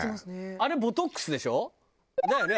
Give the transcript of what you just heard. あれボトックスでしょ？だよね？